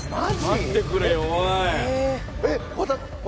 待ってくれよおいえっ！